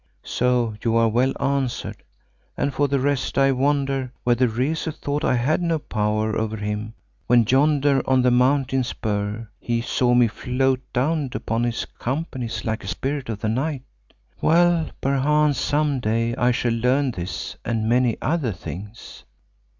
So you are well answered, and for the rest, I wonder whether Rezu thought I had no power over him when yonder on the mountain spur he saw me float down upon his companies like a spirit of the night. Well, perchance some day I shall learn this and many other things."